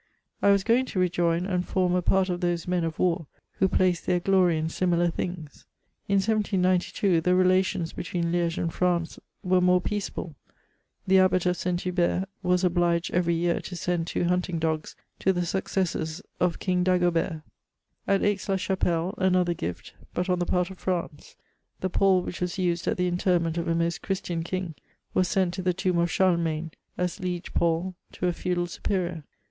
I was going to rejoin and form a part of those men of war who place their glory in similar things. In 1792, the rela tions between Liege and France were more peaceaUe: the abbot of St. Hubert was obliged every year to send two hunt ing dogs to the successors of King Dagobert At Aix la Chapelle, another gift, but on the part of France t the pall which was used at the interment of a most Christam king was sent to the tomb of Charlemagne, as liege pall to a feudal superior.